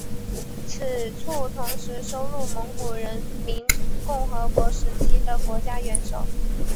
此处同时收录蒙古人民共和国时期的国家元首。